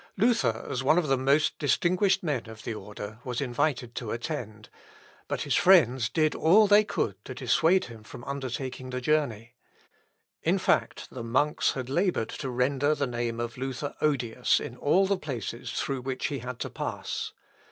Luther, as one of the most distinguished men of the order, was invited to attend; but his friends did all they could to dissuade him from undertaking the journey. In fact, the monks had laboured to render the name of Luther odious in all the places through which he had to pass.